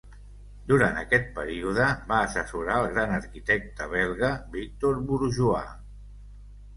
Durant aquest període, va assessorar el gran arquitecte belga, Victor Bourgeois.